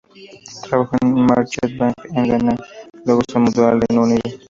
Trabajó en Merchant Bank en Ghana, luego se mudó al Reino Unido.